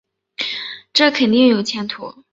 这肯定有前途